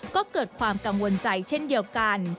ก็เกิดความกังวลใจเช่นเดียวกัน